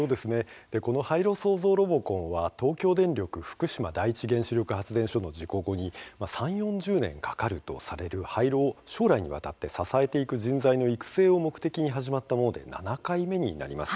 この廃炉創造ロボコンは東京電力福島第一原子力発電所の事故後に３０４０年かかるとされる廃炉を将来にわたって支えていく人材の育成を目的に始まったもので７回目になります。